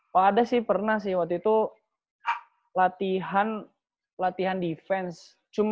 pada sih pernah sih waktu itu latihan defense